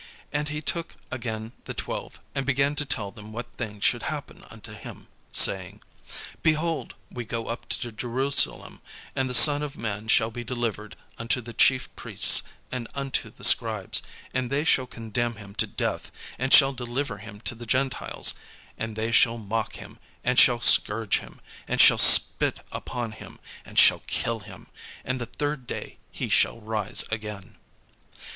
And he took again the twelve, and began to tell them what things should happen unto him, saying: "Behold, we go up to Jerusalem; and the Son of man shall be delivered unto the chief priests, and unto the scribes; and they shall condemn him to death, and shall deliver him to the Gentiles: and they shall mock him, and shall scourge him, and shall spit upon him, and shall kill him: and the third day he shall rise again."